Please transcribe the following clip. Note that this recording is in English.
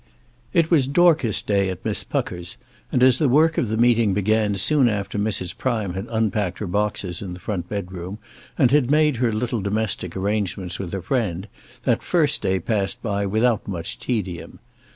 It was Dorcas day at Miss Pucker's, and as the work of the meeting began soon after Mrs. Prime had unpacked her boxes in the front bedroom and had made her little domestic arrangements with her friend, that first day passed by without much tedium.